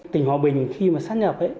tỉnh hòa bình khi mà sát nhập